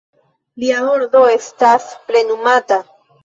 Lia ordono estas plenumata.